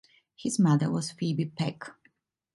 His mother was Phebe Peck.